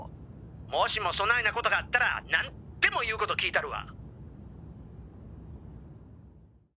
もしもそないなコトがあったら何でも言うコト聞いたるわ！